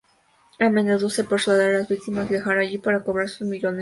A menudo se persuade a las víctimas a viajar allí para cobrar sus millones.